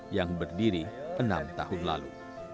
yang berdiri enam tahun lalu